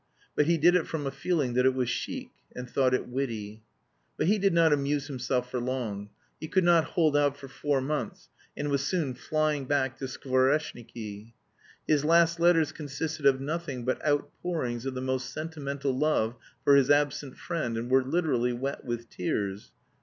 But he did it from a feeling that it was chic, and thought it witty. But he did not amuse himself for long. He could not hold out for four months, and was soon flying back to Skvoreshniki. His last letters consisted of nothing but outpourings of the most sentimental love for his absent friend, and were literally wet with tears.